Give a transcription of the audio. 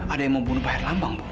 ada yang mau bunuh pak herlambang bu